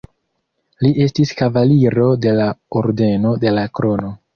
Li estis kavaliro de la Ordeno de la Krono.